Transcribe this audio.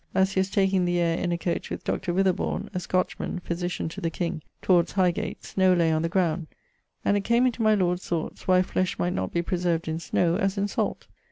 as he was taking the aire in a coach with Dr. Witherborne (a Scotchman, Physitian to the King) towards High gate, snow lay on the ground, and it came into my lord's thoughts, why flesh might not be preserved in snow, as in salt.